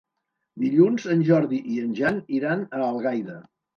Dilluns en Jordi i en Jan iran a Algaida.